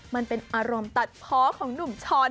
มันเป็นอารมณ์ตัดเพาะของหนุ่มช้อน